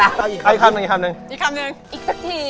อีกคำหนึ่งอีกสักที